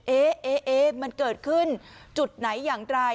เอ๊ะมันเกิดขึ้นจุดไหนอย่างไร